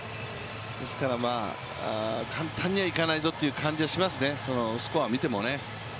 ですから、簡単にはいかないぞという感じはしますね、スコアを見ても。